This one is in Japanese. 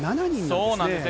そうなんですね。